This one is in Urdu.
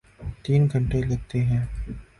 تین گھنٹے لگتے ہیں۔